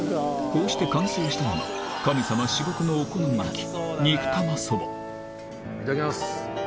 こうして完成したのが神様至極のお好み焼きいただきます。